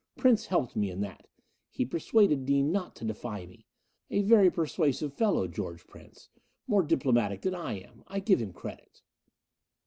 Prince helped me in that. He persuaded Dean not to defy me. A very persuasive fellow, George Prince. More diplomatic than I am, I give him credit."